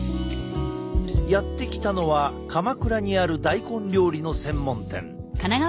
やって来たのは鎌倉にある大根料理の専門店。